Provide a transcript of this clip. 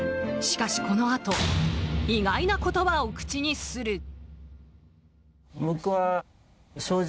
しかし、このあと意外な言葉を口にする。